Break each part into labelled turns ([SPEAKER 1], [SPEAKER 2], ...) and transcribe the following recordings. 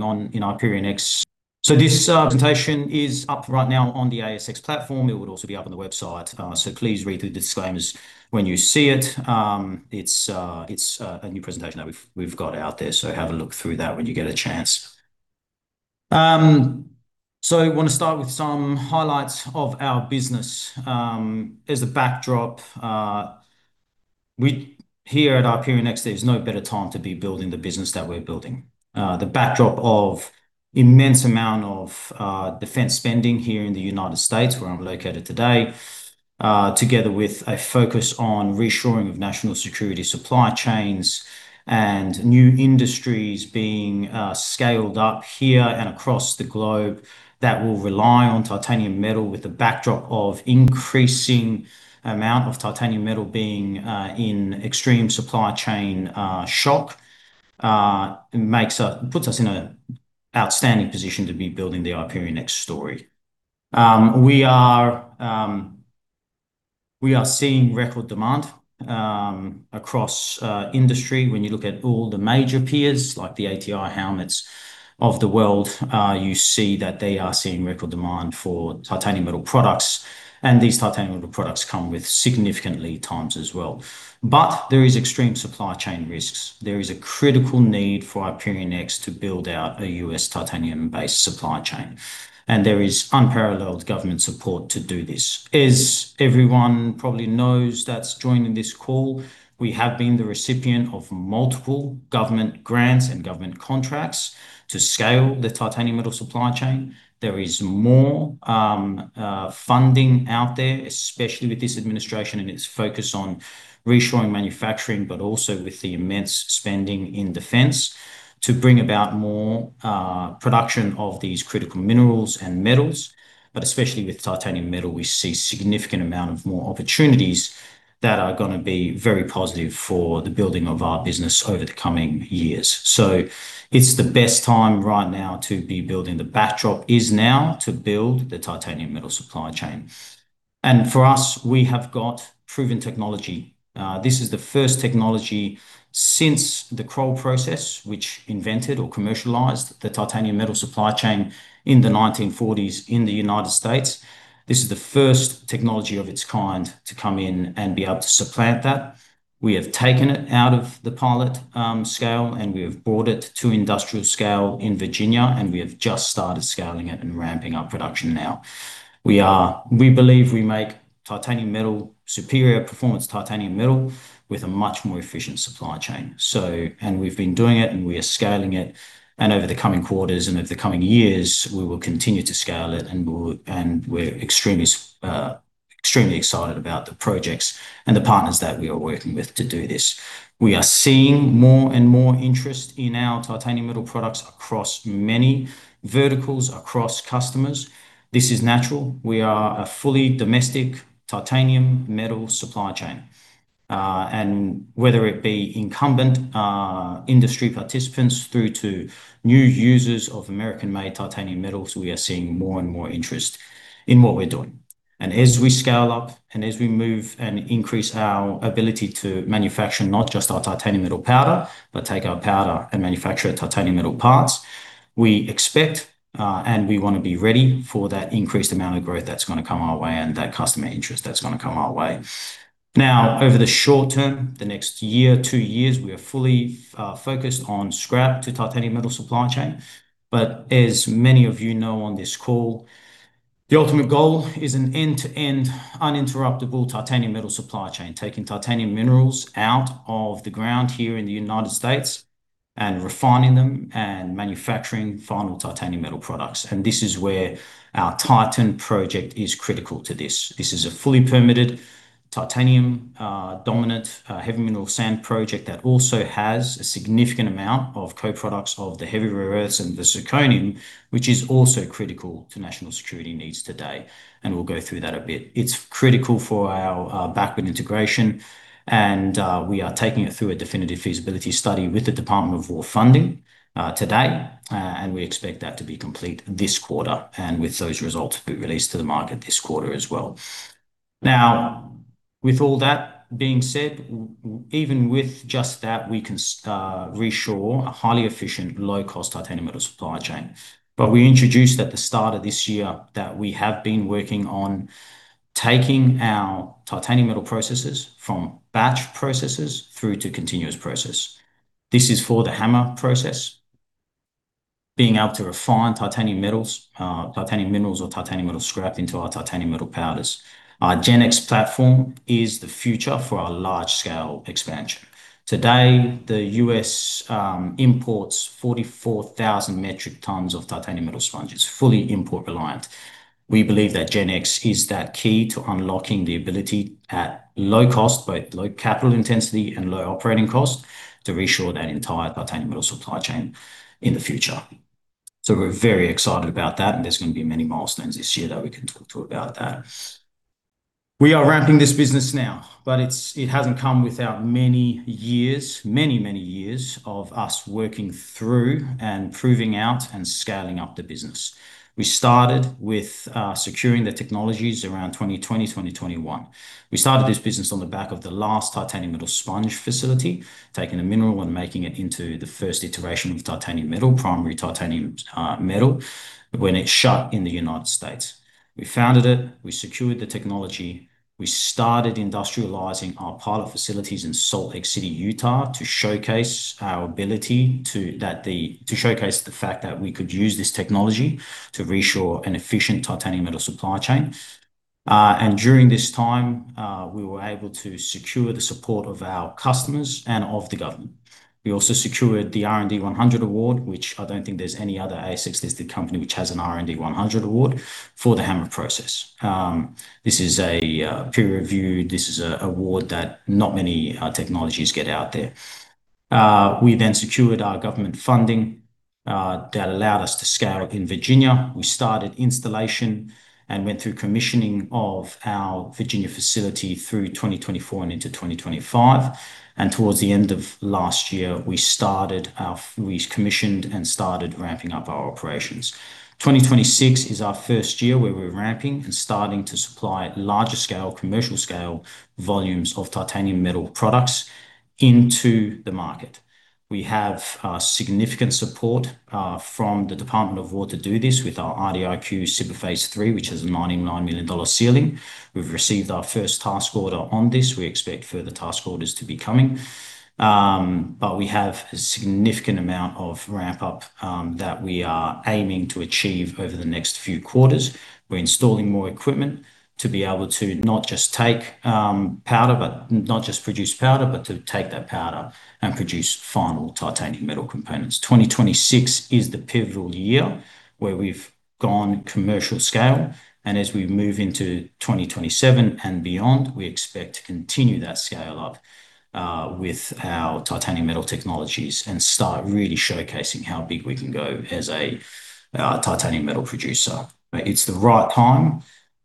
[SPEAKER 1] Now in IperionX. This presentation is up right now on the ASX platform. It would also be up on the website. Please read the disclaimers when you see it. It's a new presentation that we've got out there, so have a look through that when you get a chance. I want to start with some highlights of our business. As a backdrop, here at IperionX, there's no better time to be building the business that we're building. The backdrop of immense amount of defense spending here in the United States, where I'm located today, together with a focus on reshoring of national security supply chains and new industries being scaled up here and across the globe that will rely on titanium metal with the backdrop of increasing amount of titanium metal being in extreme supply chain shock puts us in a outstanding position to be building the IperionX story. We are seeing record demand across industry. When you look at all the major peers, like the ATI Helmets of the world, you see that they are seeing record demand for titanium metal products, and these titanium metal products come with significant lead times as well. There is extreme supply chain risks. There is a critical need for IperionX to build out a U.S. titanium-based supply chain, and there is unparalleled government support to do this. As everyone probably knows that's joining this call, we have been the recipient of multiple government grants and government contracts to scale the titanium metal supply chain. There is more funding out there, especially with this administration and its focus on reshoring manufacturing, but also with the immense spending in defense to bring about more production of these critical minerals and metals. Especially with titanium metal, we see significant amount of more opportunities that are gonna be very positive for the building of our business over the coming years. It's the best time right now to be building. The backdrop is now to build the titanium metal supply chain. For us, we have got proven technology. This is the first technology since the Kroll process, which invented or commercialized the titanium metal supply chain in the 1940s in the United States. This is the first technology of its kind to come in and be able to supplant that. We have taken it out of the pilot scale, and we have brought it to industrial scale in Virginia, and we have just started scaling it and ramping up production now. We believe we make titanium metal superior performance titanium metal with a much more efficient supply chain. We've been doing it, and we are scaling it. Over the coming quarters and over the coming years, we will continue to scale it. We're extremely excited about the projects and the partners that we are working with to do this. We are seeing more and more interest in our titanium metal products across many verticals, across customers. This is natural, we are a fully domestic titanium metal supply chain. Whether it be incumbent industry participants through to new users of American-made titanium metals, we are seeing more and more interest in what we're doing. As we scale up and as we move and increase our ability to manufacture not just our titanium metal powder, but take our powder and manufacture titanium metal parts, we expect and we want to be ready for that increased amount of growth that's going to come our way and that customer interest that's going to come our way. Now, over the short term, the next year, two years, we are fully focused on scrap to titanium metal supply chain. As many of you know on this call, the ultimate goal is an end-to-end, uninterruptible titanium metal supply chain, taking titanium minerals out of the ground here in the United States and refining them and manufacturing final titanium metal products. This is where our Titan project is critical to this. This is a fully permitted titanium dominant heavy mineral sand project that also has a significant amount of co-products of the heavy rare earths and the zirconium, which is also critical to national security needs today. We'll go through that a bit. It's critical for our backward integration, and we are taking it through a Definitive Feasibility Study with the Department of War funding today. We expect that to be complete this quarter, and with those results to be released to the market this quarter as well. Now, with all that being said, even with just that, we can reshore a highly efficient, low-cost titanium metal supply chain. We introduced at the start of this year that we have been working on taking our titanium metal processes from batch processes through to continuous process. This is for the HAMR process, being able to refine titanium metals, titanium minerals or titanium metal scrap into our titanium metal powders. Our GenX platform is the future for our large-scale expansion. Today, the U.S. imports 44,000 metric tons of titanium metal sponges, fully import reliant. We believe that GenX is that key to unlocking the ability at low cost, both low capital intensity and low operating cost, to reshore that entire titanium metal supply chain in the future. We're very excited about that, and there's going to be many milestones this year that we can talk to about that. We are ramping this business now, but it hasn't come without many years of us working through and proving out and scaling up the business. We started with securing the technologies around 2020, 2021. We started this business on the back of the last titanium metal sponge facility, taking a mineral and making it into the first iteration of titanium metal, primary titanium metal, when it shut in the United States. We founded it, we secured the technology, we started industrializing our pilot facilities in Salt Lake City, Utah, to showcase the fact that we could use this technology to reshore an efficient titanium metal supply chain. During this time, we were able to secure the support of our customers and of the government. We also secured the R&D 100 Award, which I don't think there's any other ASX-listed company which has an R&D 100 Award for the HAMR process. This is a peer review, this is an award that not many technologies get out there. We then secured our government funding that allowed us to scale up in Virginia. We started installation and went through commissioning of our Virginia facility through 2024 and into 2025. Towards the end of last year, we commissioned and started ramping up our operations. 2026 is our first year where we're ramping and starting to supply larger scale, commercial scale volumes of titanium metal products into the market. We have significant support from the Department of War to do this with our IDIQ SBIR Phase III, which has a $99 million ceiling. We've received our first task order on this. We expect further task orders to be coming. We have a significant amount of ramp-up that we are aiming to achieve over the next few quarters. We're installing more equipment to be able to not just produce powder, but to take that powder and produce final titanium metal components. 2026 is the pivotal year where we've gone commercial scale, and as we move into 2027 and beyond, we expect to continue that scale up with our titanium metal technologies and start really showcasing how big we can go as a titanium metal producer. It's the right time.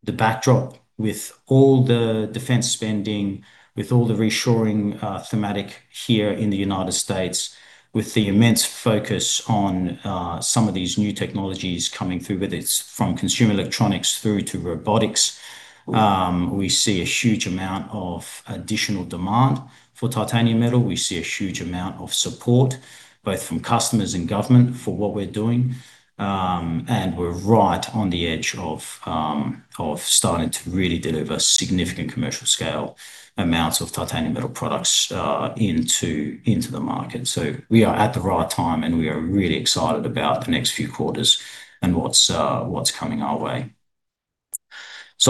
[SPEAKER 1] The backdrop with all the defense spending, with all the reshoring, thematic here in the United States, with the immense focus on some of these new technologies coming through, whether it's from consumer electronics through to robotics, we see a huge amount of additional demand for titanium metal. We see a huge amount of support, both from customers and government for what we're doing, and we're right on the edge of of starting to really deliver significant commercial scale amounts of titanium metal products into the market. We are at the right time, and we are really excited about the next few quarters and what's coming our way.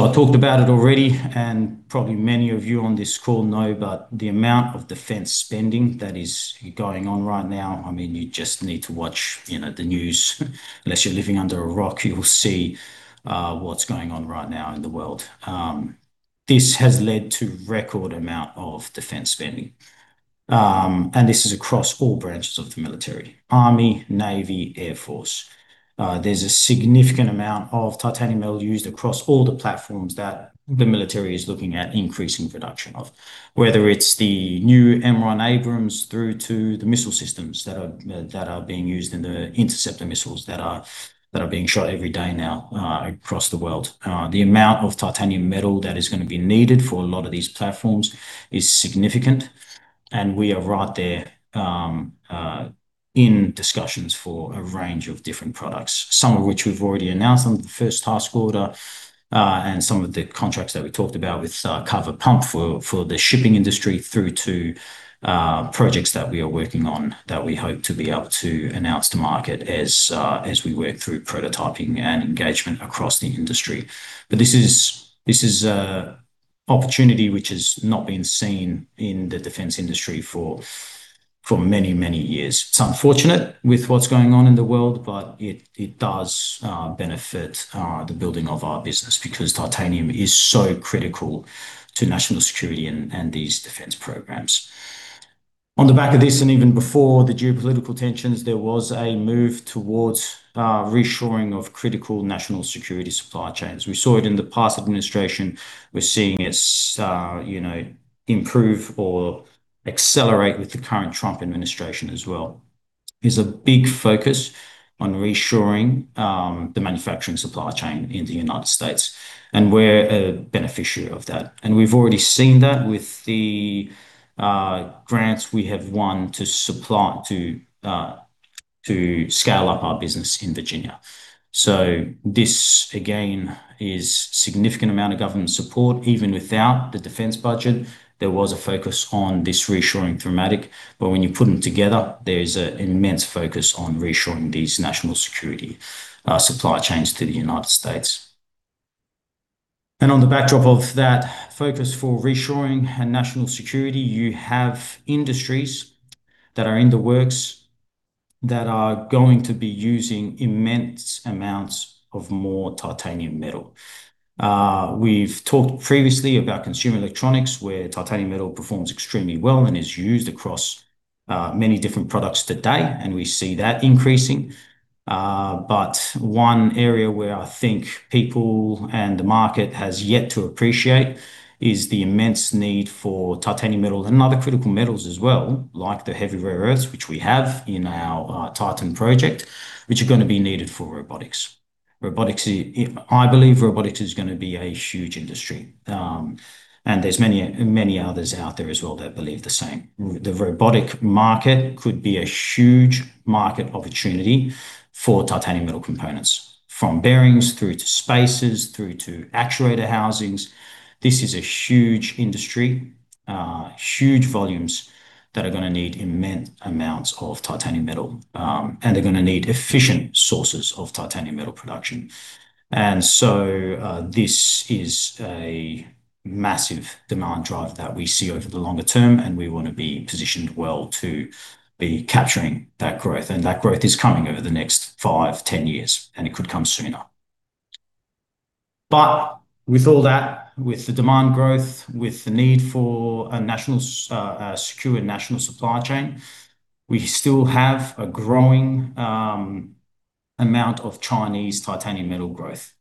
[SPEAKER 1] I talked about it already, and probably many of you on this call know, but the amount of defense spending that is going on right now, I mean, you just need to watch, you know, the news. Unless you're living under a rock, you'll see what's going on right now in the world. This has led to record amount of defense spending. And this is across all branches of the military, Army, Navy, Air Force. There's a significant amount of titanium metal used across all the platforms that the military is looking at increasing production of. Whether it's the new M1 Abrams through to the missile systems that are being used and the interceptor missiles that are being shot every day now across the world. The amount of titanium metal that is gonna be needed for a lot of these platforms is significant, and we are right there in discussions for a range of different products, some of which we've already announced on the first task order, and some of the contracts that we talked about with Kvaerner Pump for the shipping industry through to projects that we are working on that we hope to be able to announce to market as we work through prototyping and engagement across the industry. This is a opportunity which has not been seen in the defense industry for many, many years. It's unfortunate with what's going on in the world, but it does benefit the building of our business because titanium is so critical to national security and these defense programs. On the back of this, and even before the geopolitical tensions, there was a move towards reshoring of critical national security supply chains. We saw it in the past administration. We're seeing it, you know, improve or accelerate with the current Trump administration as well. There's a big focus on reshoring the manufacturing supply chain in the United States, and we're a beneficiary of that. We've already seen that with the grants we have won to supply to scale up our business in Virginia. This, again, is significant amount of government support. Even without the defense budget, there was a focus on this reshoring thematic. When you put them together, there's an immense focus on reshoring these national security supply chains to the United States. On the backdrop of that focus for reshoring and national security, you have industries that are in the works that are going to be using immense amounts of more titanium metal. We've talked previously about consumer electronics, where titanium metal performs extremely well and is used across many different products today, and we see that increasing. One area where I think people and the market has yet to appreciate is the immense need for titanium metal and other critical metals as well, like the heavy rare earths, which we have in our Titan project, which are gonna be needed for robotics. I believe robotics is gonna be a huge industry. There's many, many others out there as well that believe the same. The robotic market could be a huge market opportunity for titanium metal components, from bearings through to spaces through to actuator housings. This is a huge industry, huge volumes that are gonna need immense amounts of titanium metal. They're gonna need efficient sources of titanium metal production. This is a massive demand drive that we see over the longer term, and we wanna be positioned well to be capturing that growth. That growth is coming over the next five, 10 years, and it could come sooner. With all that, with the demand growth, with the need for a secure national supply chain, we still have a growing amount of Chinese titanium metal growth.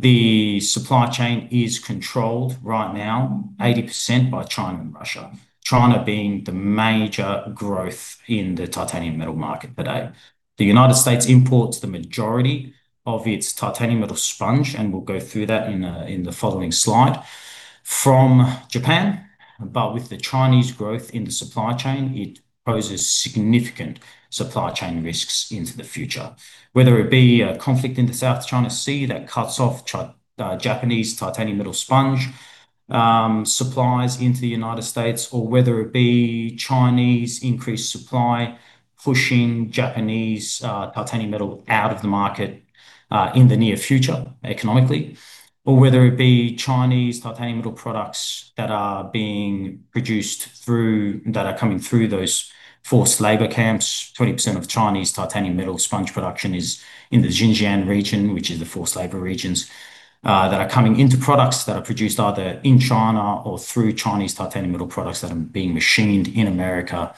[SPEAKER 1] The supply chain is controlled right now 80% by China and Russia. China being the major growth in the titanium metal market today. The United States imports the majority of its titanium metal sponge, and we'll go through that in the following slide, from Japan, but with the Chinese growth in the supply chain, it poses significant supply chain risks into the future. Whether it be a conflict in the South China Sea that cuts off Japanese titanium metal sponge supplies into the United States, or whether it be Chinese increased supply pushing Japanese titanium metal out of the market in the near future economically, or whether it be Chinese titanium metal products that are coming through those forced labor camps. 20% of Chinese titanium metal sponge production is in the Xinjiang region, which is the forced labor regions, that are coming into products that are produced either in China or through Chinese titanium metal products that are being machined in America.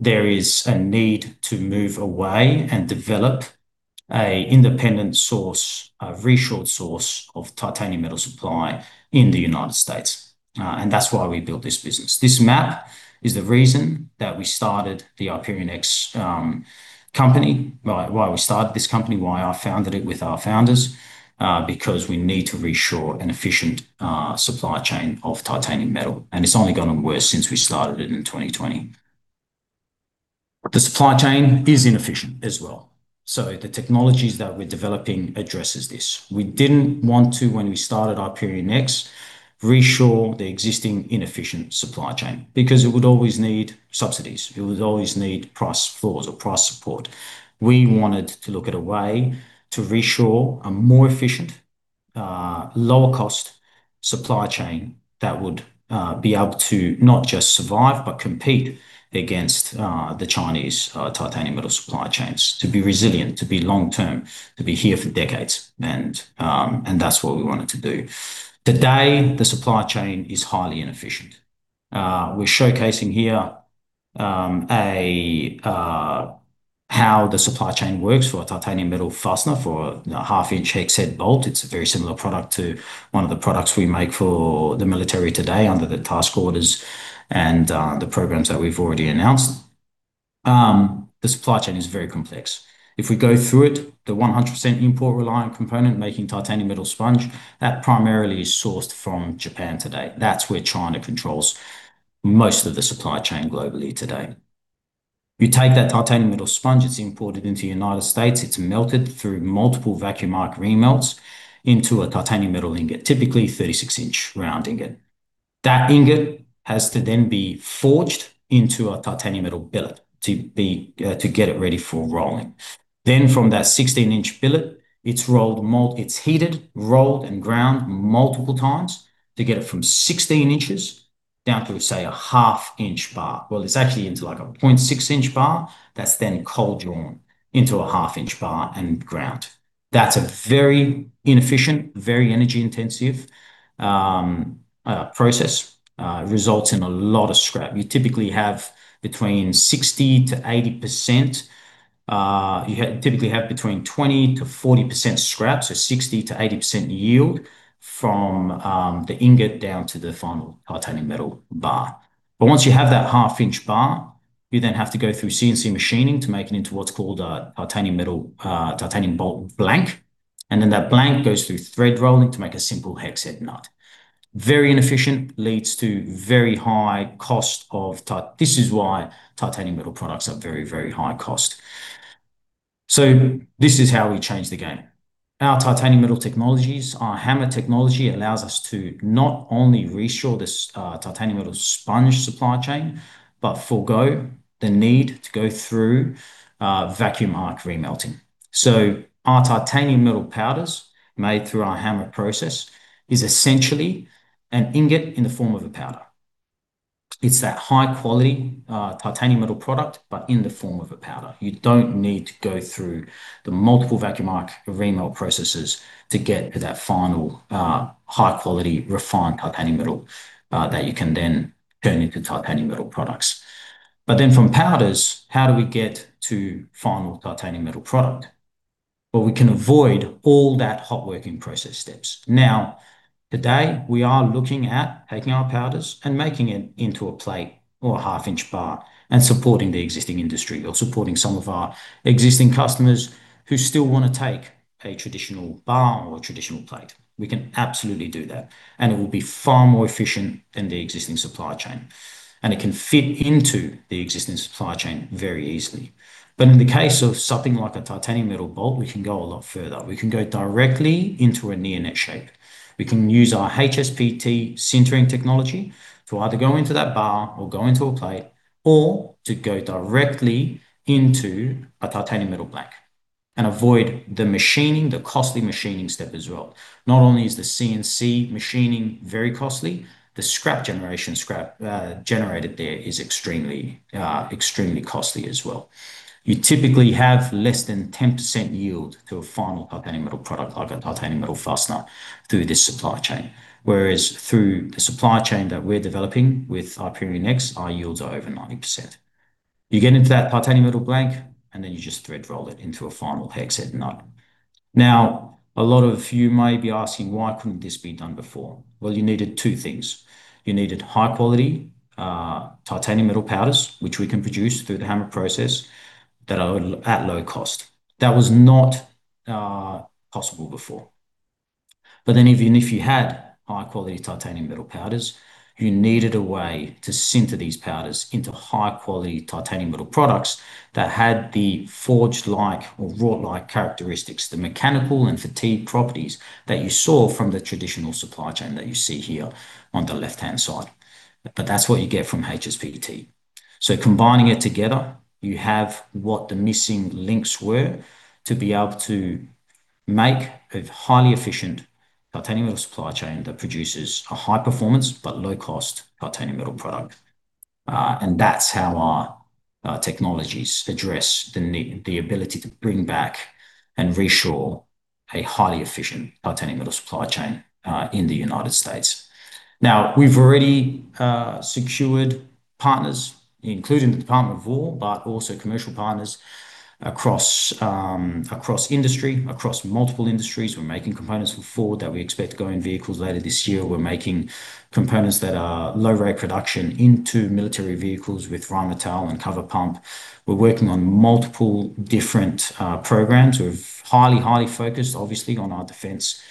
[SPEAKER 1] There is a need to move away and develop a independent source, a reshore source of titanium metal supply in the United States. That's why we built this business. This map is the reason that we started the IperionX company. Why we started this company, why I founded it with our founders, because we need to reshore an efficient supply chain of titanium metal, and it's only gotten worse since we started it in 2020. The supply chain is inefficient as well. The technologies that we're developing addresses this. We didn't want to, when we started IperionX, reshore the existing inefficient supply chain because it would always need subsidies. It would always need price floors or price support. We wanted to look at a way to reshore a more efficient, lower cost supply chain that would be able to not just survive, but compete against the Chinese titanium metal supply chains, to be resilient, to be long-term, to be here for decades and that's what we wanted to do. Today, the supply chain is highly inefficient. We're showcasing here how the supply chain works for a titanium metal fastener for a half-inch hex head bolt. It's a very similar product to one of the products we make for the military today under the task orders and the programs that we've already announced. The supply chain is very complex. If we go through it, the 100% import reliant component making titanium metal sponge, that primarily is sourced from Japan today. That's where China controls most of the supply chain globally today. You take that titanium metal sponge, it's imported into the United States. It's melted through multiple vacuum arc remelts into a titanium metal ingot, typically 36-inch round ingot. That ingot has to then be forged into a titanium metal billet to be, to get it ready for rolling. Then from that 16-inch billet, it's rolled, it's heated, rolled and ground multiple times to get it from 16 inches down to, say, a half-inch bar. Well, it's actually into like a 0.6-inch bar that's then cold drawn into a half-inch bar and ground. That's a very inefficient, very energy intensive process. Results in a lot of scrap. You typically have between 60%-80%. You typically have between 20%-40% scrap, so 60%-80% yield from the ingot down to the final titanium metal bar. Once you have that half-inch bar, you then have to go through CNC machining to make it into what's called a titanium metal titanium bolt blank, and then that blank goes through thread rolling to make a simple hex head nut. Very inefficient, leads to very high cost of titanium. This is why titanium metal products are very, very high cost. This is how we change the game. Our titanium metal technologies, our HAMR technology allows us to not only reshore this titanium metal sponge supply chain, but forgo the need to go through vacuum arc remelting. Our titanium metal powders made through our HAMR process is essentially an ingot in the form of a powder. It's that high-quality, titanium metal product, but in the form of a powder. You don't need to go through the multiple vacuum arc remelting processes to get to that final, high-quality refined titanium metal, that you can then turn into titanium metal products. From powders, how do we get to final titanium metal product? We can avoid all that hot working process steps. Now, today, we are looking at taking our powders and making it into a plate or a half-inch bar and supporting the existing industry or supporting some of our existing customers who still want to take a traditional bar or a traditional plate. We can absolutely do that, and it will be far more efficient than the existing supply chain, and it can fit into the existing supply chain very easily. In the case of something like a titanium metal bolt, we can go a lot further. We can go directly into a near-net shape. We can use our HSPT sintering technology to either go into that bar or go into a plate or to go directly into a titanium metal blank and avoid the machining, the costly machining step as well. Not only is the CNC machining very costly, the scrap generation generated there is extremely costly as well. You typically have less than 10% yield to a final titanium metal product like a titanium metal fastener through this supply chain. Whereas through the supply chain that we're developing with IperionX, our yields are over 90%. You get into that titanium metal blank, and then you just thread roll it into a final hex head nut. Now, a lot of you may be asking why couldn't this be done before? Well, you needed two things. You needed high-quality titanium metal powders, which we can produce through the HAMR process that are at low cost. That was not possible before. Even if you had high-quality titanium metal powders, you needed a way to sinter these powders into high-quality titanium metal products that had the forged-like or wrought-like characteristics, the mechanical and fatigue properties that you saw from the traditional supply chain that you see here on the left-hand side. That's what you get from HSPT. Combining it together, you have what the missing links were to be able to make a highly efficient titanium metal supply chain that produces a high-performance but low-cost titanium metal product. That's how our technologies address the need, the ability to bring back and reshore a highly efficient titanium metal supply chain in the United States. Now, we've already secured partners, including the Department of War, but also commercial partners across industry, across multiple industries, we're making components for Ford that we expect to go in vehicles later this year. We're making components that are low rate production into military vehicles with Rheinmetall and Carver Pump. We're working on multiple different programs. We're highly focused, obviously, on our defense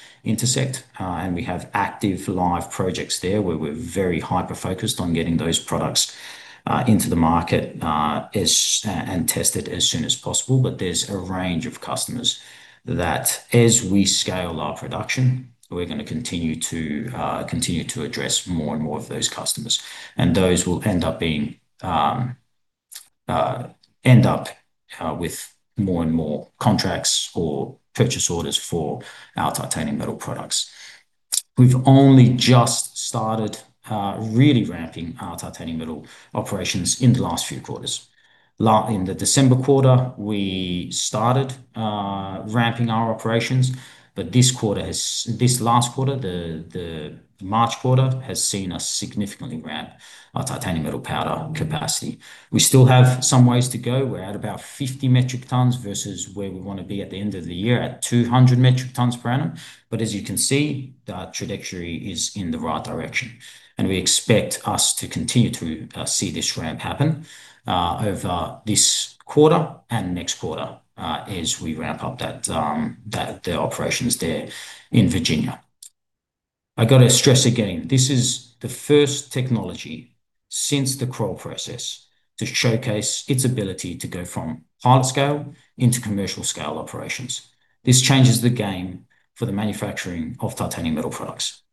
[SPEAKER 1] sector, and we have active live projects there where we're very hyper-focused on getting those products into the market and tested as soon as possible. There's a range of customers that as we scale our production, we're gonna continue to address more and more of those customers. Those will end up with more and more contracts or purchase orders for our titanium metal products. We've only just started really ramping our titanium metal operations in the last few quarters. In the December quarter, we started ramping our operations, but this last quarter, the March quarter, has seen us significantly ramp our titanium metal powder capacity. We still have some ways to go. We're at about 50 metric tons versus where we want to be at the end of the year at 200 metric tons per annum. As you can see, the trajectory is in the right direction, and we expect us to continue to see this ramp happen over this quarter and next quarter as we ramp up the operations there in Virginia. I got to stress again, this is the first technology since the Kroll process to showcase its ability to go from pilot scale into commercial scale operations. This changes the game for the manufacturing of titanium metal products.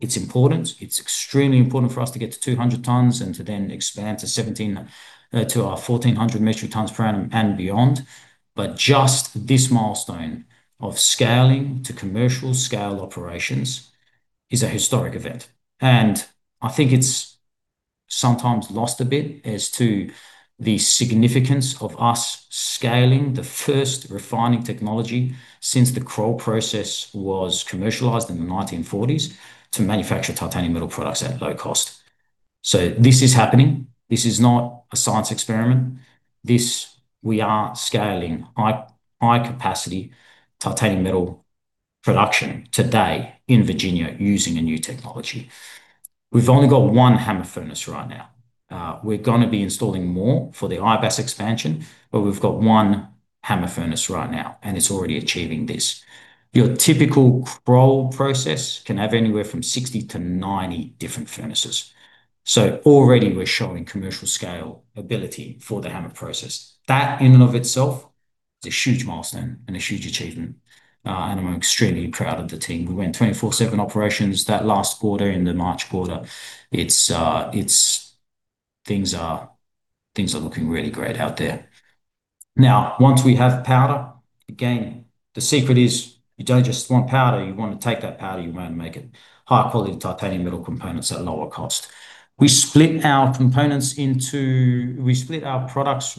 [SPEAKER 1] It's important. It's extremely important for us to get to 200 tons and to then expand to our 1,400 metric tons per annum and beyond. Just this milestone of scaling to commercial scale operations is a historic event. I think it's sometimes lost a bit as to the significance of us scaling the first refining technology since the Kroll process was commercialized in the 1940s to manufacture titanium metal products at low cost. This is happening. This is not a science experiment, this, we are scaling high, high-capacity titanium metal production today in Virginia using a new technology. We've only got one HAMR furnace right now. We're gonna be installing more for the IBAS expansion, but we've got one HAMR furnace right now, and it's already achieving this. Your typical Kroll process can have anywhere from 60-90 different furnaces. Already we're showing commercial scale ability for the HAMR process. That in and of itself is a huge milestone and a huge achievement, and I'm extremely proud of the team. We went 24/7 operations that last quarter in the March quarter, it's looking really great out there. Now, once we have powder, again, the secret is you don't just want powder. You want to take that powder, you want to make it high-quality titanium metal components at a lower cost. We split our products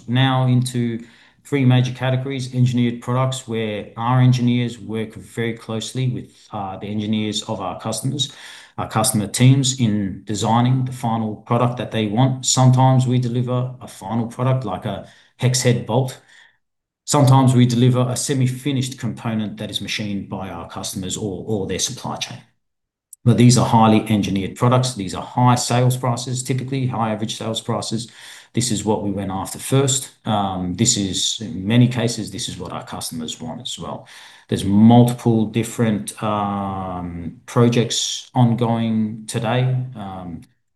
[SPEAKER 1] now into three major categories, engineered products, where our engineers work very closely with the engineers of our customers, our customer teams in designing the final product that they want. Sometimes we deliver a final product like a hex head bolt. Sometimes we deliver a semi-finished component that is machined by our customers or their supply chain. But these are highly engineered products. These are high sales prices, typically high average sales prices. This is what we went after first. This is, in many cases, what our customers want as well. There's multiple different projects ongoing today.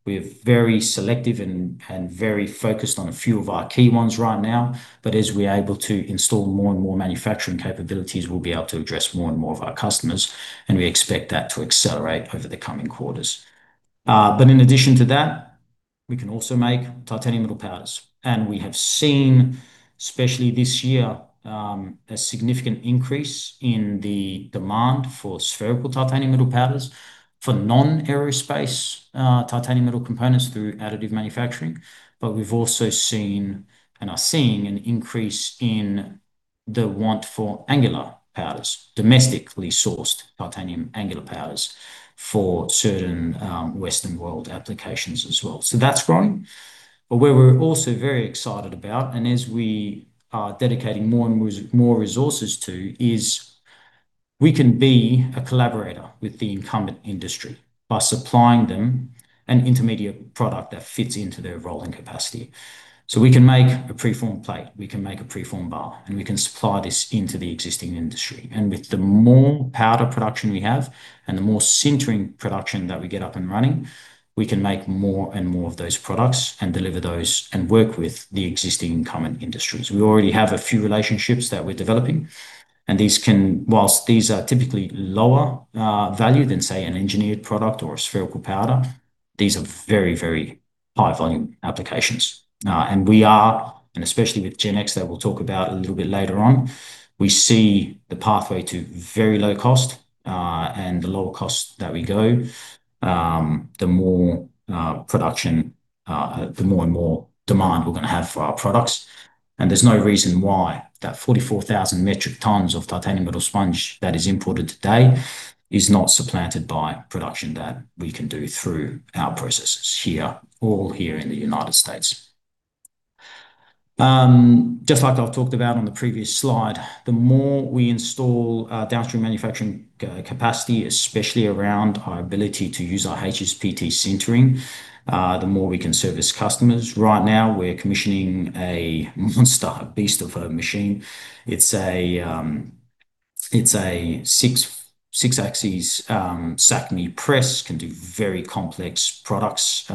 [SPEAKER 1] We're very selective and very focused on a few of our key ones right now. As we're able to install more and more manufacturing capabilities, we'll be able to address more and more of our customers, and we expect that to accelerate over the coming quarters. In addition to that, we can also make titanium metal powders. We have seen, especially this year, a significant increase in the demand for spherical titanium metal powders for non-aerospace titanium metal components through additive manufacturing. We've also seen, and are seeing, an increase in the want for angular powders, domestically sourced titanium angular powders for certain, Western world applications as well. That's growing, where we're also very excited about, and as we are dedicating more and more resources to, is we can be a collaborator with the incumbent industry by supplying them an intermediate product that fits into their rolling capacity. We can make a preformed plate, we can make a preformed bar, and we can supply this into the existing industry. With the more powder production we have and the more sintering production that we get up and running, we can make more and more of those products and deliver those and work with the existing incumbent industries. We already have a few relationships that we're developing, and while these are typically lower value than, say, an engineered product or a spherical powder, these are very, very high volume applications. And especially with GenX that we'll talk about a little bit later on, we see the pathway to very low cost. The lower cost that we go, the more production, the more and more demand we're going to have for our products. There's no reason why that 44,000 metric tons of titanium metal sponge that is imported today is not supplanted by production that we can do through our processes here, all here in the United States. Just like I've talked about on the previous slide, the more we install downstream manufacturing capacity, especially around our ability to use our HSPT sintering, the more we can service customers. Right now, we're commissioning a monster, a beast of a machine. It's a 6-axis SACMI press, can do very complex products.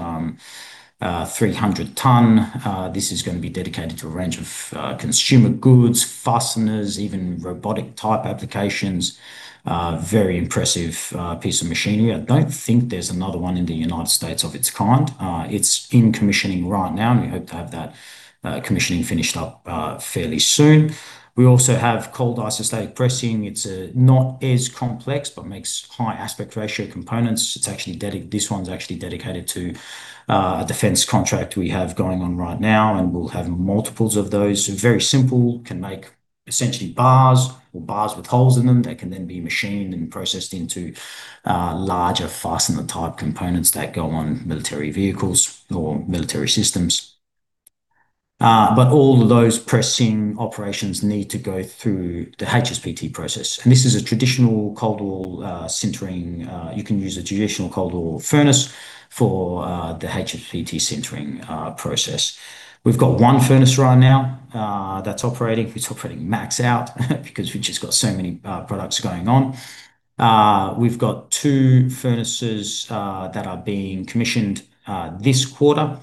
[SPEAKER 1] 300-ton. This is going to be dedicated to a range of consumer goods, fasteners, even robotic-type applications. Very impressive piece of machinery. I don't think there's another one in the United States of its kind. It's in commissioning right now, and we hope to have that commissioning finished up fairly soon. We also have Cold Isostatic Pressing. It's not as complex, but makes high aspect ratio components, this one's actually dedicated to a defense contract we have going on right now, and we'll have multiples of those very simple, can make essentially bars or bars with holes in them that can then be machined and processed into larger fastener-type components that go on military vehicles or military systems. But all of those pressing operations need to go through the HSPT process. This is a traditional cold-wall sintering. You can use a traditional cold-wall furnace for the HSPT sintering process. We've got one furnace right now that's operating. It's operating max out because we've just got so many products going on. We've got two furnaces that are being commissioned this quarter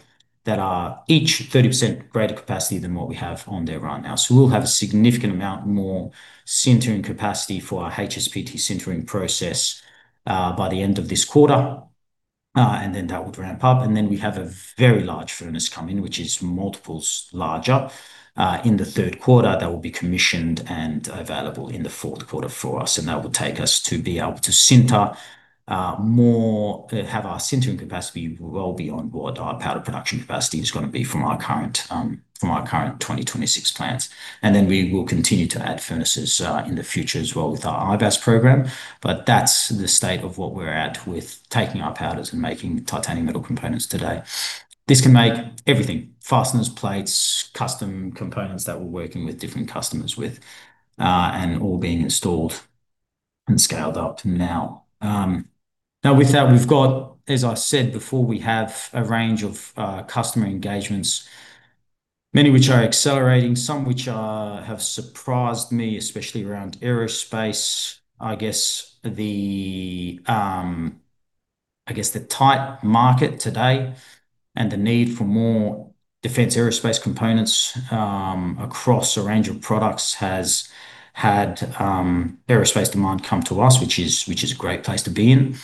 [SPEAKER 1] that are each 30% greater capacity than what we have on there right now. We'll have a significant amount more sintering capacity for our HSPT sintering process by the end of this quarter and that will ramp up. We have a very large furnace coming, which is multiples larger, in the third quarter that will be commissioned and available in the fourth quarter for us. That will take us to have our sintering capacity well beyond what our powder production capacity is going to be from our current 2026 plants. We will continue to add furnaces in the future as well with our IBAS program. That's the state of what we're at with taking our powders and making titanium metal components today. This can make everything, fasteners, plates, custom components that we're working with different customers with, and all being installed and scaled up now. Now with that, we've got, as I said before, we have a range of customer engagements, many which are accelerating, some which have surprised me, especially around aerospace. I guess the tight market today and the need for more defense aerospace components across a range of products has had aerospace demand come to us, which is a great place to be in.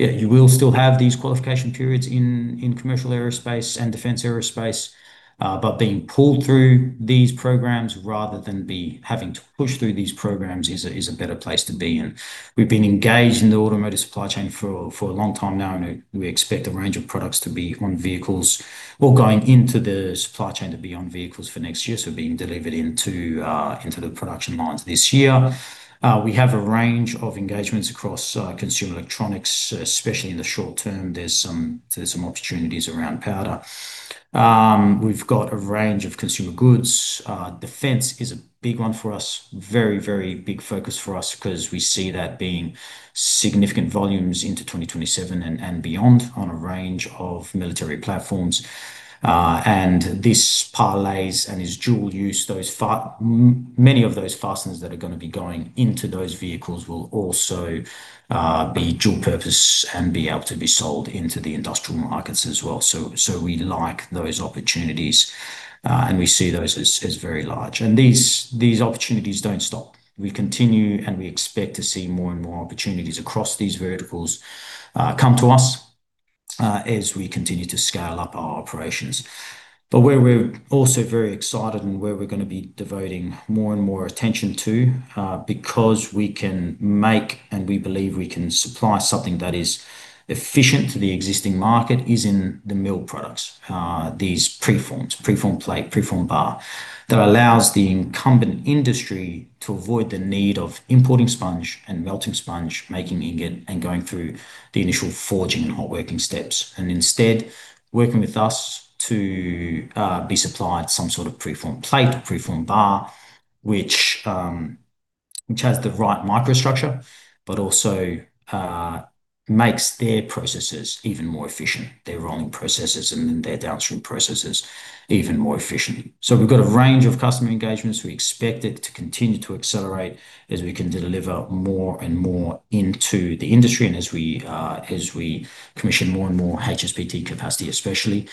[SPEAKER 1] Yeah, you will still have these qualification periods in commercial aerospace and defense aerospace, but being pulled through these programs rather than be having to push through these programs is a better place to be in. We've been engaged in the automotive supply chain for a long time now, and we expect a range of products to be on vehicles or going into the supply chain to be on vehicles for next year, so being delivered into the production lines this year. We have a range of engagements across consumer electronics, especially in the short term. There's some opportunities around powder. We've got a range of consumer goods. Defense is a big one for us, very big focus for us because we see that being significant volumes into 2027 and beyond on a range of military platforms. This parlays and is dual use. Many of those fasteners that are gonna be going into those vehicles will also be dual purpose and be able to be sold into the industrial markets as well. We like those opportunities, and we see those as very large. These opportunities don't stop. We continue, and we expect to see more and more opportunities across these verticals come to us as we continue to scale up our operations. Where we're also very excited and where we're gonna be devoting more and more attention to, because we can make and we believe we can supply something that is efficient to the existing market is in the mill products. These preforms, preform plate, preform bar, that allows the incumbent industry to avoid the need of importing sponge and melting sponge, making ingot, and going through the initial forging and hot working steps. Instead, working with us to be supplied some sort of preform plate or preform bar, which has the right microstructure, but also makes their processes even more efficient, their rolling processes and then their downstream processes even more efficient. We've got a range of customer engagements. We expect it to continue to accelerate as we can deliver more and more into the industry and as we commission more and more HSPT capacity, especially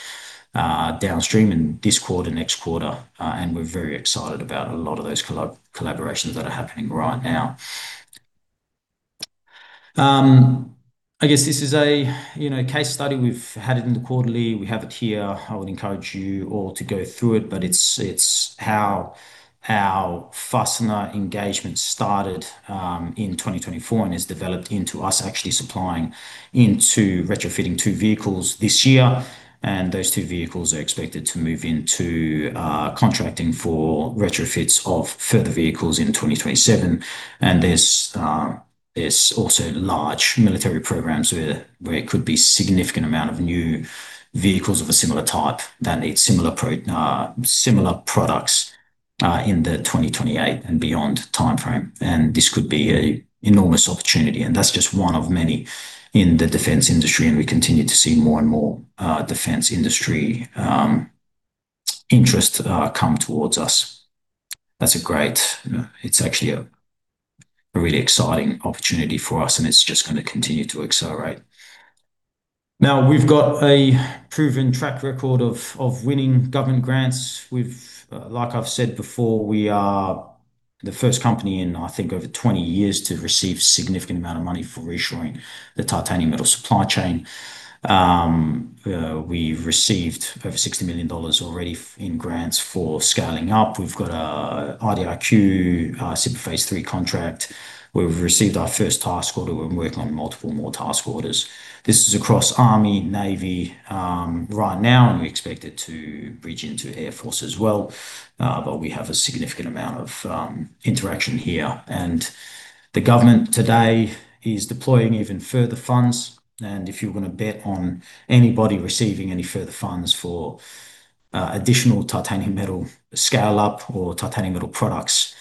[SPEAKER 1] downstream in this quarter, next quarter. We're very excited about a lot of those collaborations that are happening right now. I guess this is a, you know, case study. We've had it in the quarterly. We have it here. I would encourage you all to go through it, but it's how our fastener engagement started in 2024 and has developed into us actually supplying into retrofitting two vehicles this year. Those two vehicles are expected to move into contracting for retrofits of further vehicles in 2027. There's also large military programs where it could be significant amount of new vehicles of a similar type that need similar products in the 2028 and beyond timeframe. This could be a enormous opportunity, and that's just one of many in the defense industry, and we continue to see more and more defense industry interest come towards us. That's great. It's actually a really exciting opportunity for us, and it's just gonna continue to accelerate. Now, we've got a proven track record of winning government grants. Like I've said before, we are the first company in, I think, over 20 years to receive significant amount of money for reshoring the titanium metal supply chain. We've received over $60 million already in grants for scaling up, we've got a IDIQ SBIR Phase III contract. We've received our first task order. We're working on multiple more task orders. This is across Army, Navy, right now, and we expect it to bridge into Air Force as well, but we have a significant amount of interaction here. The government today is deploying even further funds. If you're gonna bet on anybody receiving any further funds for additional titanium metal scale-up or titanium metal products,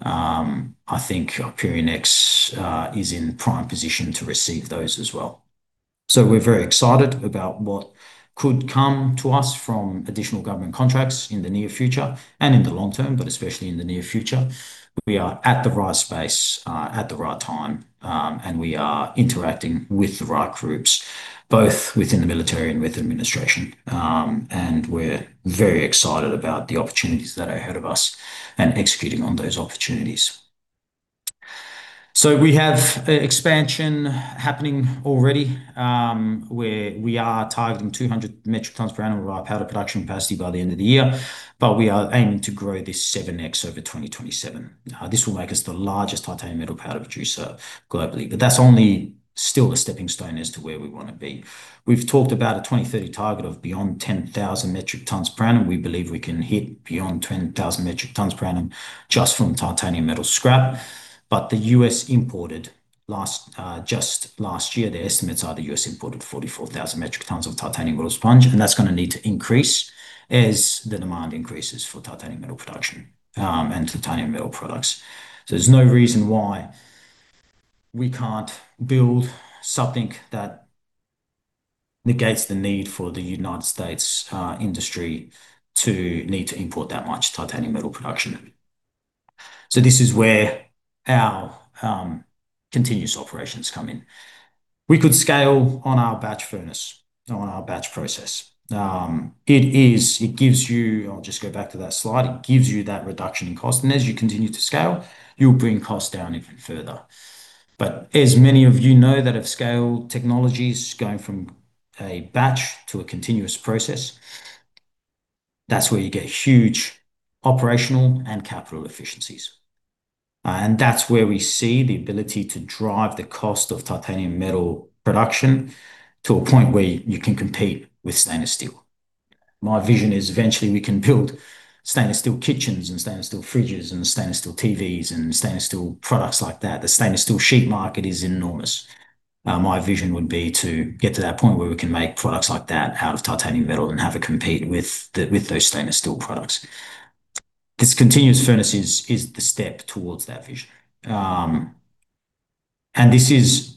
[SPEAKER 1] I think IperionX is in prime position to receive those as well. We're very excited about what could come to us from additional government contracts in the near future and in the long term, but especially in the near future. We are at the right place at the right time. We are interacting with the right groups, both within the military and with administration. We're very excited about the opportunities that are ahead of us and executing on those opportunities. We have expansion happening already, where we are targeting 200 metric tons per annum of our powder production capacity by the end of the year, but we are aiming to grow this 7x over 2027. This will make us the largest titanium metal powder producer globally, but that's only still a stepping stone as to where we wanna be. We've talked about a 2030 target of beyond 10,000 metric tons per annum. We believe we can hit beyond 10,000 metric tons per annum just from titanium metal scrap. The U.S. imported last year, the estimates are the U.S. imported 44,000 metric tons of titanium metal sponge, and that's gonna need to increase as the demand increases for titanium metal production, and titanium metal products. There's no reason why we can't build something that negates the need for the United States industry to need to import that much titanium metal production. This is where our continuous operations come in. We could scale on our batch furnace, on our batch process. I'll just go back to that slide, it gives you that reduction in cost, and as you continue to scale, you'll bring costs down even further. As many of you know that have scaled technologies, going from a batch to a continuous process, that's where you get huge operational and capital efficiencies. That's where we see the ability to drive the cost of titanium metal production to a point where you can compete with stainless steel. My vision is eventually we can build stainless steel kitchens and stainless steel fridges and stainless steel TVs and stainless steel products like that. The stainless steel sheet market is enormous. My vision would be to get to that point where we can make products like that out of titanium metal and have it compete with the, with those stainless steel products. This continuous furnace is the step towards that vision. This is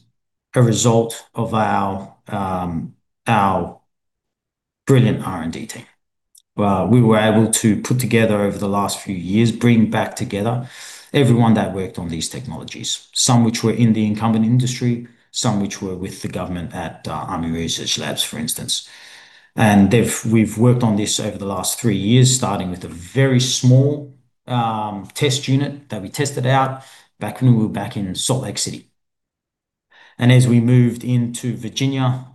[SPEAKER 1] a result of our brilliant R&D team. We were able to put together over the last few years, bring back together everyone that worked on these technologies, some which were in the incumbent industry, some which were with the government at U.S. Army Research Laboratory, for instance. We've worked on this over the last three years, starting with a very small test unit that we tested out back when we were back in Salt Lake City. As we moved into Virginia,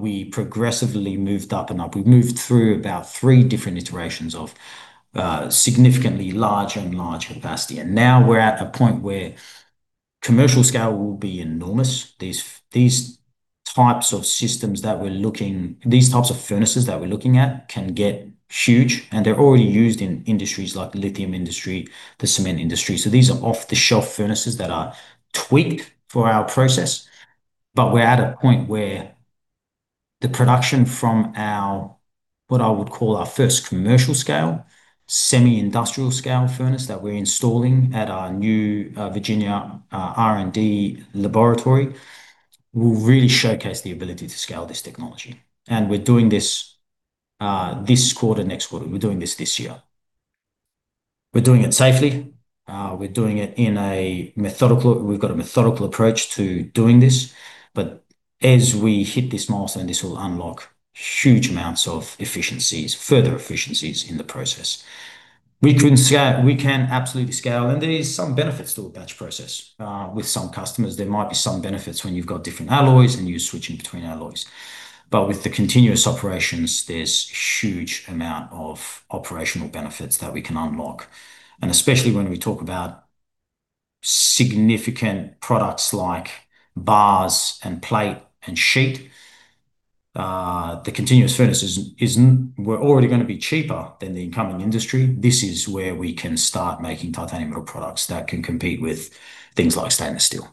[SPEAKER 1] we progressively moved up and up. We moved through about three different iterations of significantly larger and larger capacity. Now we're at a point where commercial scale will be enormous. These types of furnaces that we're looking at can get huge, and they're already used in industries like the lithium industry, the cement industry. These are off-the-shelf furnaces that are tweaked for our process. We're at a point where the production from our, what I would call our first commercial scale, semi-industrial scale furnace that we're installing at our new Virginia R&D laboratory, will really showcase the ability to scale this technology. We're doing this quarter, next quarter, we're doing this this year. We're doing it safely. We've got a methodical approach to doing this. As we hit this milestone, this will unlock huge amounts of efficiencies, further efficiencies in the process. We can absolutely scale, and there is some benefits to a batch process. With some customers, there might be some benefits when you've got different alloys and you're switching between alloys. But with the continuous operations, there's huge amount of operational benefits that we can unlock. Especially when we talk about significant products like bars and plate and sheet, the continuous furnace we're already gonna be cheaper than the incumbent industry. This is where we can start making titanium products that can compete with things like stainless steel.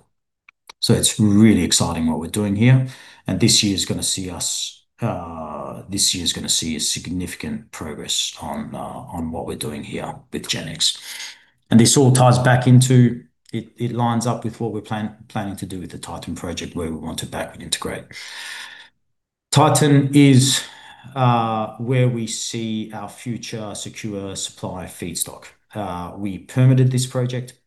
[SPEAKER 1] It's really exciting what we're doing here, and this year is gonna see significant progress on what we're doing here with GenX. This all ties back into it lines up with what we're planning to do with the Titan project where we want to backward integrate. Titan is where we see our future secure supply feedstock. We permitted this project.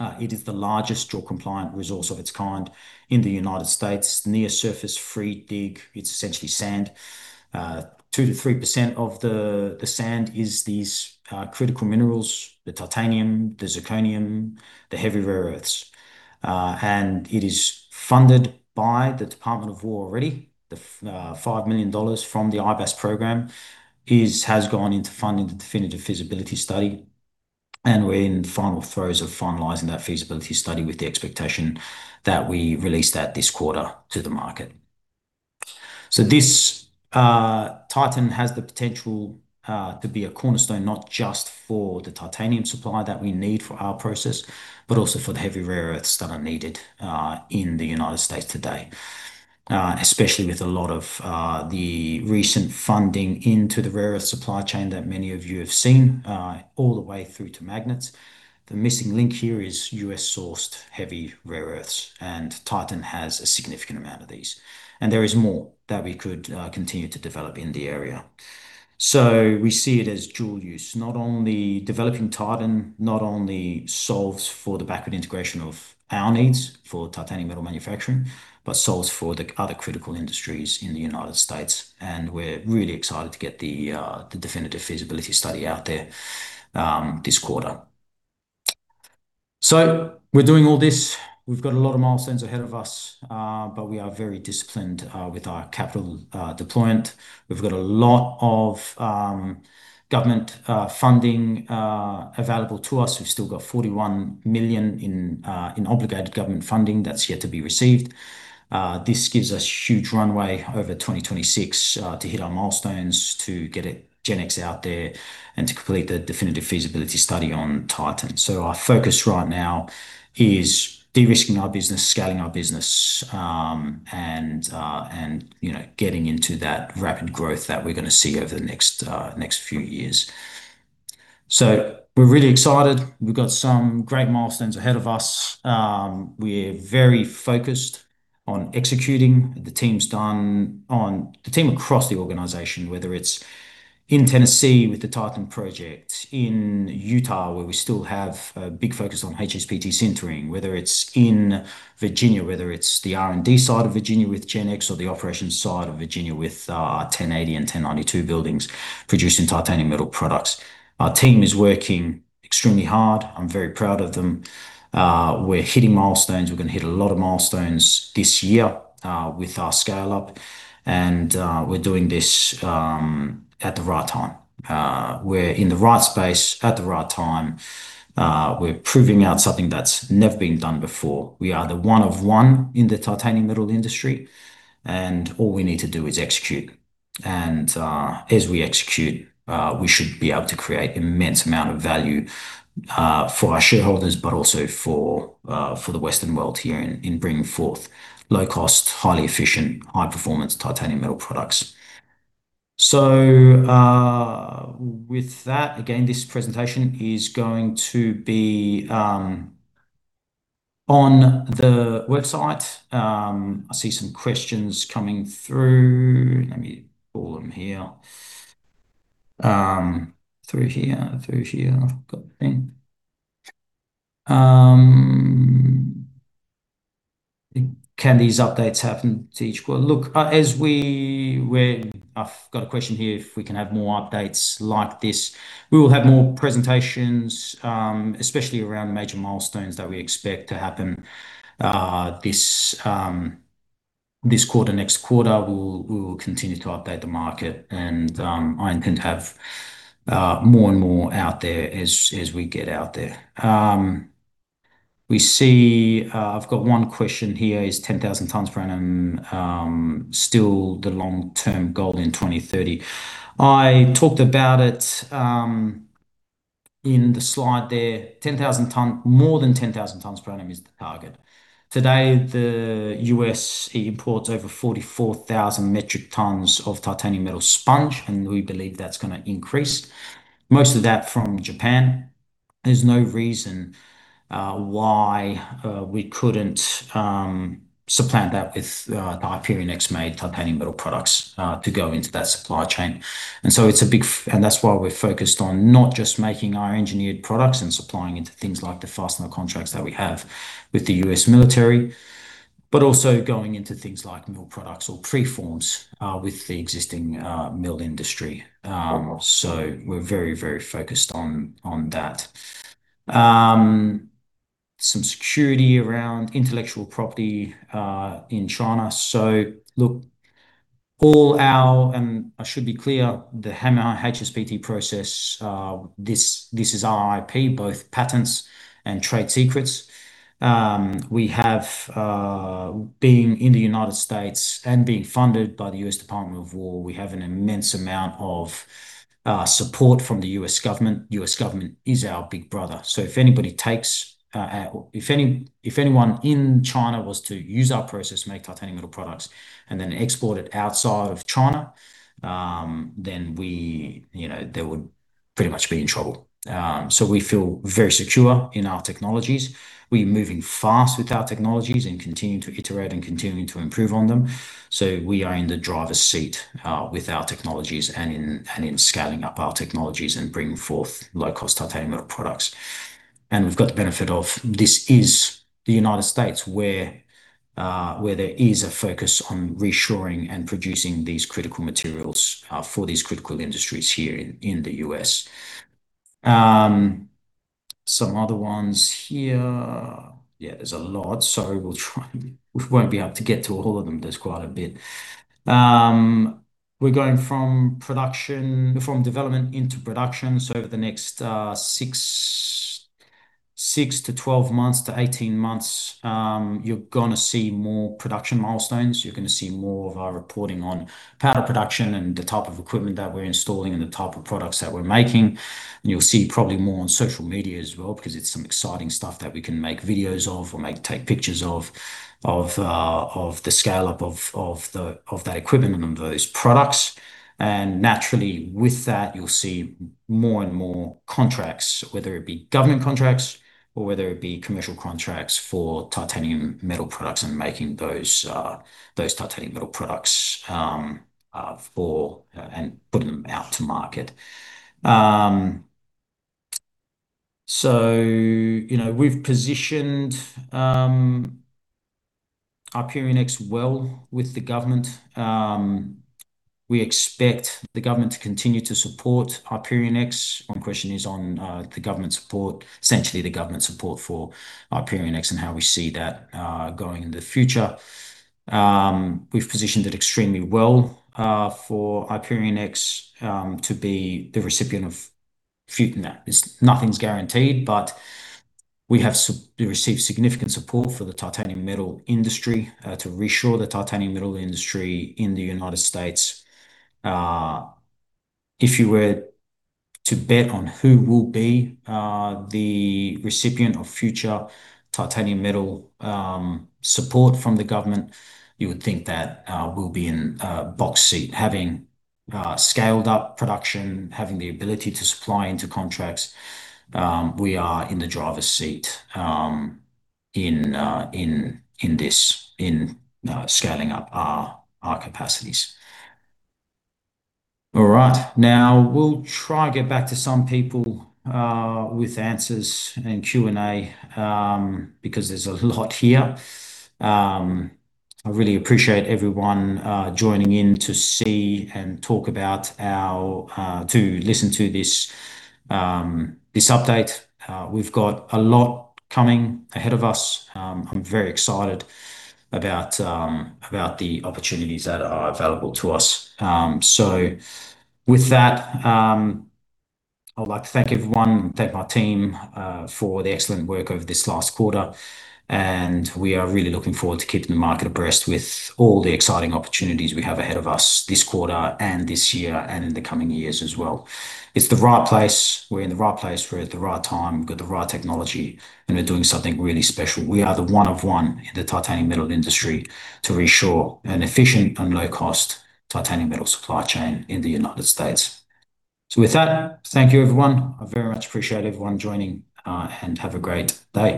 [SPEAKER 1] It is the largest JORC compliant resource of its kind in the United States. Near-surface free dig, it's essentially sand. 2%-3% of the sand is these critical minerals, the titanium, the zirconium, the heavy rare earths. It is funded by the Department of War already. The $5 million from the IBAS program has gone into funding the Definitive Feasibility Study, and we're in final throes of finalizing that feasibility study with the expectation that we release that this quarter to the market. Titan has the potential to be a cornerstone, not just for the titanium supply that we need for our process, but also for the heavy rare earths that are needed in the United States today. Especially with a lot of the recent funding into the rare earth supply chain that many of you have seen all the way through to magnets. The missing link here is U.S.-sourced heavy rare earths, and Titan has a significant amount of these. There is more that we could continue to develop in the area. We see it as dual use. Not only solves for the backward integration of our needs for titanium metal manufacturing, but solves for the other critical industries in the United States, and we're really excited to get the Definitive Feasibility Study out there this quarter. We're doing all this, we've got a lot of milestones ahead of us, but we are very disciplined with our capital deployment. We've got a lot of government funding available to us. We've still got $41 million in obligated government funding that's yet to be received. This gives us huge runway over 2026 to hit our milestones, to get GenX out there, and to complete the Definitive Feasibility Study on Titan. Our focus right now is de-risking our business, scaling our business, and, you know, getting into that rapid growth that we're gonna see over the next few years. We're really excited, we've got some great milestones ahead of us. We're very focused on executing, the team's done. The team across the organization, whether it's in Tennessee with the Titan project, in Utah where we still have a big focus on HSPT sintering, whether it's in Virginia, whether it's the R&D side of Virginia with GenX or the operations side of Virginia with our 1080 and 1092 buildings producing titanium metal products. Our team is working extremely hard. I'm very proud of them. We're hitting milestones. We're gonna hit a lot of milestones this year with our scale-up and we're doing this at the right time. We're in the right space at the right time. We're proving out something that's never been done before. We are the one of one in the titanium metal industry, and all we need to do is execute. As we execute, we should be able to create immense amount of value for our shareholders, but also for the Western world here in bringing forth low-cost, highly efficient, high-performance titanium metal products. With that, again, this presentation is going to be on the website. I see some questions coming through. Let me pull them here. Through here. I've got the thing. Can these updates happen to each quarter? Look, I've got a question here, if we can have more updates like this. We will have more presentations, especially around the major milestones that we expect to happen this quarter, next quarter. We will continue to update the market and I intend to have more and more out there as we get out there. We see I've got one question here. Is 10,000 tons per annum still the long-term goal in 2030? I talked about it in the slide there. More than 10,000 tons per annum is the target. Today, the U.S. imports over 44,000 metric tons of titanium metal sponge, and we believe that's gonna increase. Most of that from Japan, there's no reason why we couldn't supplant that with the IperionX-made titanium metal products to go into that supply chain. It's a big and that's why we're focused on not just making our engineered products and supplying into things like the fastener contracts that we have with the U.S. military, but also going into things like mill products or preforms with the existing mill industry. We're very focused on that. Some security around intellectual property in China. Look, all our I should be clear, the HAMR-HSPT process, this is our IP, both patents and trade secrets. Being in the United States and being funded by the U.S. Department of War, we have an immense amount of support from the U.S. government. U.S. government is our big brother. If anyone in China was to use our process to make titanium metal products and then export it outside of China, then, you know, they would pretty much be in trouble. We feel very secure in our technologies, we're moving fast with our technologies and continuing to iterate and continuing to improve on them. We are in the driver's seat, with our technologies and in scaling up our technologies and bringing forth low-cost titanium products. We've got the benefit of this is the United States where there is a focus on reshoring and producing these critical materials, for these critical industries here in the U.S. Some other ones here. Yeah, there's a lot. Sorry, we'll try. We won't be able to get to all of them. There's quite a bit. We're going from development into production. Over the next 6-12 months to 18 months, you're gonna see more production milestones. You're gonna see more of our reporting on powder production and the type of equipment that we're installing and the type of products that we're making. You'll see probably more on social media as well because it's some exciting stuff that we can make videos of or take pictures of the scale-up of that equipment and of those products. Naturally, with that, you'll see more and more contracts, whether it be government contracts or whether it be commercial contracts for titanium metal products and making those titanium metal products for and putting them out to market. You know, we've positioned IperionX well with the government. We expect the government to continue to support IperionX. One question is on the government support, essentially the government support for IperionX and how we see that going in the future. We've positioned it extremely well for IperionX to be the recipient of funding that. Nothing's guaranteed, but we have received significant support for the titanium metal industry to reshore the titanium metal industry in the United States. If you were to bet on who will be the recipient of future titanium metal support from the government, you would think that we'll be in a box seat. Having scaled up production, having the ability to supply into contracts, we are in the driver's seat in this scaling up our capacities. All right. Now, we'll try and get back to some people with answers in Q&A, because there's a lot here. I really appreciate everyone joining in to listen to this update. We've got a lot coming ahead of us. I'm very excited about the opportunities that are available to us. With that, I'd like to thank everyone, thank my team, for the excellent work over this last quarter, and we are really looking forward to keeping the market abreast with all the exciting opportunities we have ahead of us this quarter and this year and in the coming years as well. It's the right place. We're in the right place. We're at the right time. We've got the right technology, and we're doing something really special. We are the one of one in the titanium metal industry to reshore an efficient and low-cost titanium metal supply chain in the United States. With that, thank you everyone. I very much appreciate everyone joining, and have a great day.